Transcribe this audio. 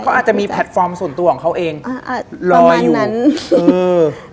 เขาอาจจะมีแพลตฟอร์มส่วนตัวของเขาเองอ่าอ่ารอยอยู่ประมาณนั้นอืม